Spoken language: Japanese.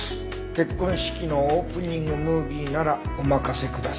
「結婚式のオープニングムービーならお任せください」